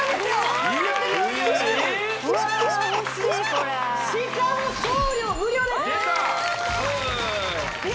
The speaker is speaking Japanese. これしかも送料無料ですでた！